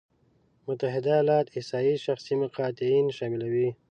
متحده ایالات احصایې شخصي مقاعدين شاملوي.